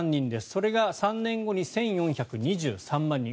それが３年後に１４２３万人。